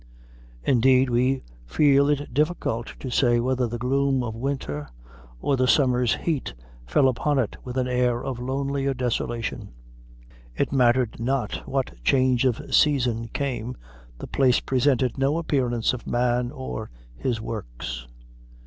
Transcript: Indeed, we feel it difficult to say whether the gloom of winter or the summer's heat fell upon it with an air of lonelier desolation. It mattered not what change of season came, the place presented no appearance of man or his works.